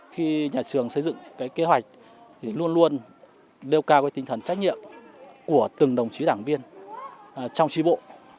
khi nhà trường xây dựng cái kế hoạch thì luôn luôn nêu cao tinh thần trách nhiệm của từng đồng chí đảng viên trong tri bộ